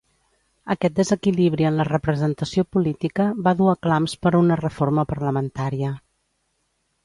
Aquest desequilibri en la representació política va dur a clams per una reforma parlamentària.